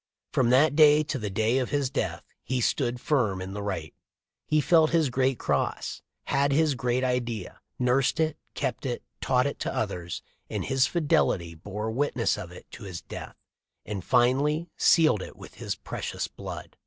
From that day to the day of his death he stood firm in the right. He felt his great cross, had his great idea, nursed it, kept it, taught it to others, in his fidelity bore witness of it to his death, and finally sealed it with his precious blood."